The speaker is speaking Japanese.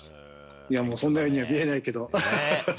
いやもう、そんなようには見えないけど。